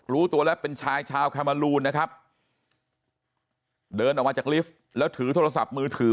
รู้ตัวแล้วเป็นชายชาวแคมาลูนนะครับเดินออกมาจากลิฟต์แล้วถือโทรศัพท์มือถือ